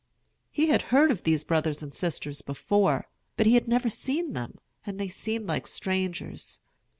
He had heard of these brothers and sisters before, but he had never seen them, and they seemed like strangers.